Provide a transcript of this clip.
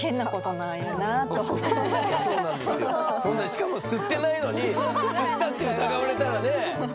しかも吸ってないのに吸ったって疑われたらね？